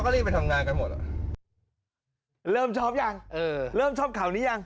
เริ่มชอบข่าวนี้